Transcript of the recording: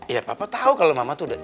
ya papa tahu kalau mama tuh udah